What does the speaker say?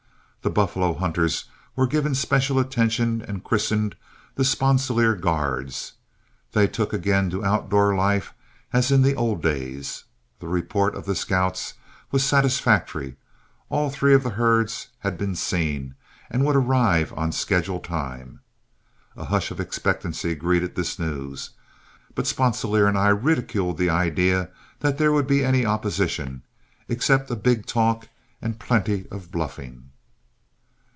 The buffalo hunters were given special attention and christened the "Sponsilier Guards;" they took again to outdoor life as in the old days. The report of the scouts was satisfactory; all three of the herds had been seen and would arrive on schedule time. A hush of expectancy greeted this news, but Sponsilier and I ridiculed the idea that there would be any opposition, except a big talk and plenty of bluffing.